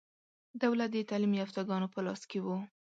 دولت د تعلیم یافته ګانو په لاس کې و.